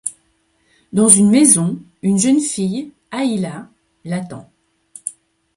Dans une maison, une jeune fille, Ayla, l'attend.